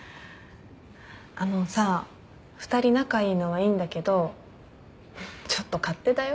あのさあ２人仲良いのはいいんだけどちょっと勝手だよ。